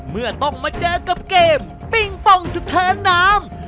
เมื่อต้องมาเจอกับเกมปิ้งป้องสะเทินน้ำ